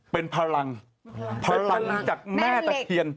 เป็นพลังพลังจากแม่ตะเคียน